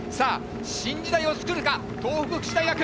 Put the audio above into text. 新時代を作るか東北福祉大学。